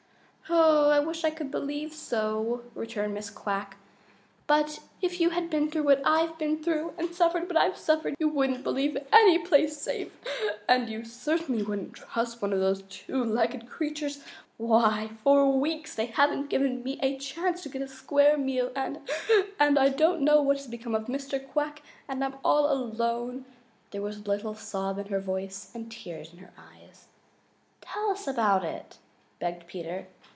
"I wish I could believe so," returned Mrs. Quack sadly, "but if you had been through what I've been through, and suffered what I've suffered, you wouldn't believe any place safe, and you certainly wouldn't trust one of those two legged creatures. Why, for weeks they haven't given me a chance to get a square meal, and and I don't know what has become of Mr. Quack, and I'm all alone!" There was a little sob in her voice and tears in her eyes. "Tell us all about it," begged Peter.